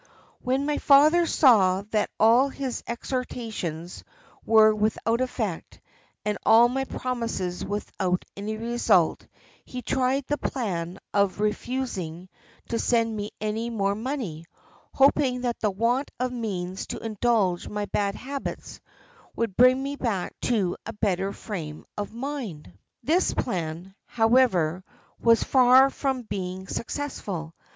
"When my father saw that all his exhortations were without effect, and all my promises without any result, he tried the plan of refusing to send me any more money, hoping that the want of means to indulge my bad habits would bring me back to a better frame of mind. This plan, however, was far from being successful.